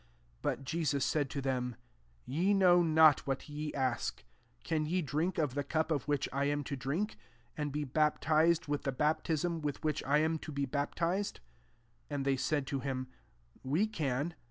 38 But Jesus said to them, " Ye know not what ye ask : can ye drink of the cup of which I am to drink ? and he baptized with the baptism with which I am to be bap tized V* 39 And they said to him, " We can."